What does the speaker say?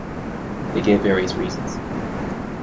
They gave various reasons.